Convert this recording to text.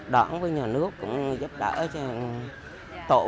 đoạn với nhà nước cũng giúp đỡ tộ điều kiện cho gia đình tôi